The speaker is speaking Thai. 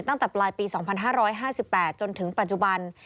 ตั้งแต่ปลายปี๒๕๕๘จนถึงปัจจุบัน